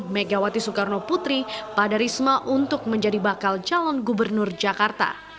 megawati soekarno putri pada risma untuk menjadi bakal calon gubernur jakarta